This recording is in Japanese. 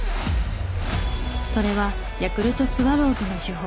それはヤクルトスワローズの主砲